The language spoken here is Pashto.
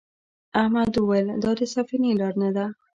احمد وویل دا د سفینې لار نه ده.